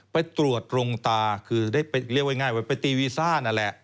ไปตรวจโรงตาคือได้ไปเรียกว่าง่ายว่าไปตีวีซ่านั่นแหละ